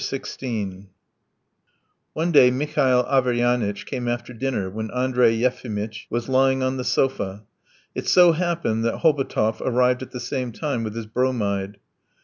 XVI One day Mihail Averyanitch came after dinner when Andrey Yefimitch was lying on the sofa. It so happened that Hobotov arrived at the same time with his bromide.